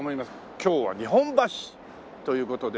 今日は日本橋という事で。